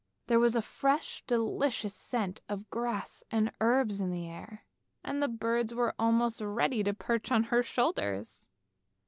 There was a fresh delicious scent of grass and herbs in the air, and the birds were almost ready to perch upon her shoulders.